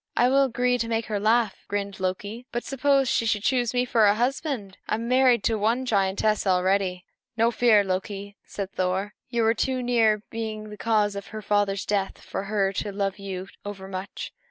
"I will agree to make her laugh," grinned Loki; "but suppose she should choose me for her husband! I am married to one giantess already." "No fear of that, Loki," said Thor; "you were too near being the cause of her father's death for her to love you overmuch.